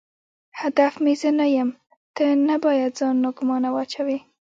هدف مې زه نه یم، ته نه باید ځان ناګومانه واچوې.